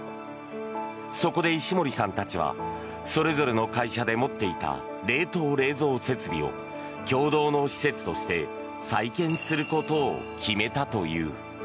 そこで石森さんたちはそれぞれの会社で持っていた冷凍冷蔵設備を共同の施設として再建することを決めたという。